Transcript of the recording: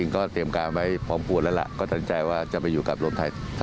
ก็คิดว่ามันน่าจะได้สารต่อ